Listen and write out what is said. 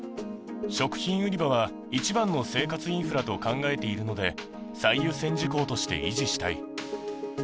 食品売り場は一番の生活インフラと考えているので、最優先事項として維持したい。